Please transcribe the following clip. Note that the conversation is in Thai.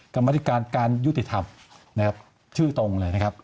กรรมธิการการยุติธรรมนะครับชื่อตรงเลยนะครับ